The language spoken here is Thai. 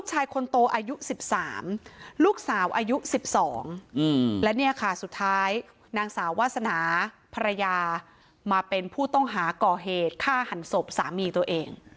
หลายนางสาววาสนาภรรยามาเป็นผู้ต้องหาก่อเหตุฆ่าหันศพสามีตัวเอง